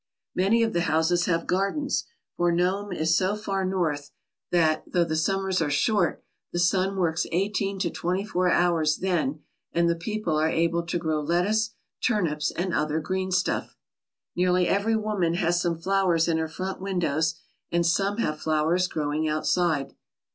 Many of the houses have gardens, for Nome is so far north that, though the summers are short, the sun works eighteen to twenty four hours then and the people are able to grow lettuce, turnips, and other green stuff. Nearly every woman has some flowers in her front windows and some have flowers growing outside.